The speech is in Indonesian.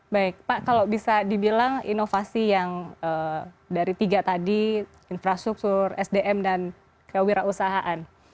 baik pak kalau bisa dibilang inovasi yang dari tiga tadi infrastruktur sdm dan kewirausahaan